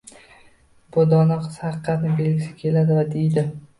Bu dono qiz haqiqatni bilgisi keladi va deydi: